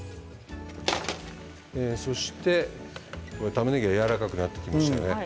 たまねぎがやわらかくなってきましたね。